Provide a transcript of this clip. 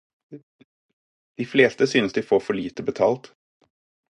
De fleste synes de får for lite betalt.